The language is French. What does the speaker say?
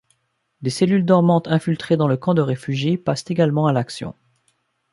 Des cellules dormantes infiltrées dans le camp de réfugiés passent également à l'action.